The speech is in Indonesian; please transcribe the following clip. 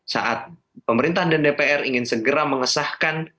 saat pemerintah dan dpr ingin segera mengesahkan